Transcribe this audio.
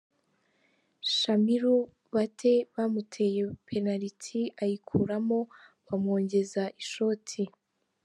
Shamiru Bate bamuteye penaliti ayikuramo bamwongeza ishoti.